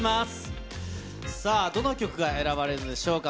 さあ、どの曲が選ばれるのでしょうか。